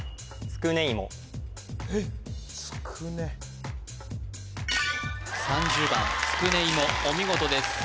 つくね３０番つくねいもお見事です